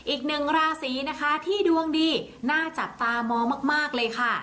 อีกหนึ่งราศีนะคะที่ดวงดีน่าจับตามองมากเลยค่ะ